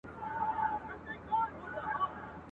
زورور غل په خپل کلي کي غلا نه کوي ..